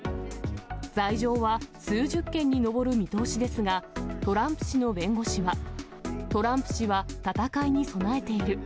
罪状は数十件に上る見通しですが、トランプ氏の弁護士は、トランプ氏は戦いに備えている。